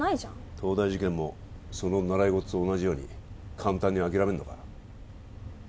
東大受験もその習い事と同じように簡単に諦めんのか？